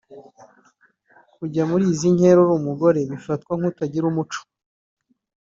Kujya muri izi nkera uri umugore ufatwa nk’utagira umuco